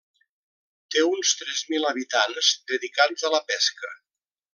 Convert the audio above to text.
Té uns tres mil habitants dedicats a la pesca.